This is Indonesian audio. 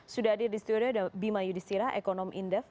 sudah hadir di studio bima yudhistira ekonomi indef